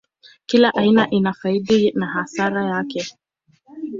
Kila aina ina faida na hasara yake.